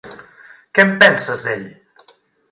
Què en penses, d'ell?